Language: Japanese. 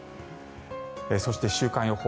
そして週間予報。